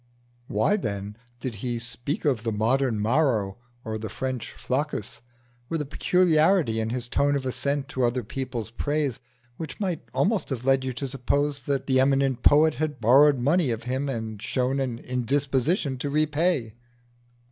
Why, then, did he speak of the modern Maro or the modern Flaccus with a peculiarity in his tone of assent to other people's praise which might almost have led you to suppose that the eminent poet had borrowed money of him and showed an indisposition to repay?